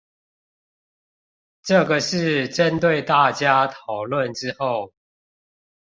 這個是針對大家討論之後